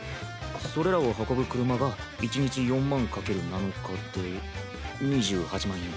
それらを運ぶ車が１日４万掛ける７日で２８万円。